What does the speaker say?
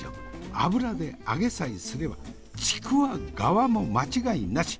油で揚げさえすれば竹輪側も間違いなし。